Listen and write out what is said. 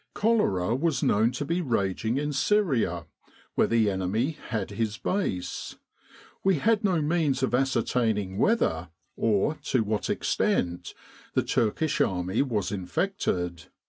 Cholera was known to be raging in Syria, where the enemy had his base. We had no means of ascertaining whether, or to what extent, the Turkish army was infected.